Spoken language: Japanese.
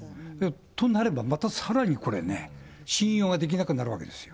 となればまたさらにこれね、信用ができなくなるわけですよ。